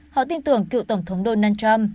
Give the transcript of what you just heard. họ tin tưởng cựu tổng thống donald trump